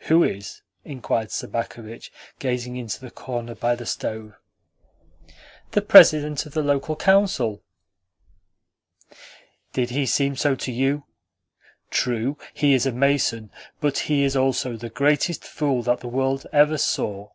"Who is?" inquired Sobakevitch, gazing into the corner by the stove. "The President of the Local Council." "Did he seem so to you? True, he is a mason, but he is also the greatest fool that the world ever saw."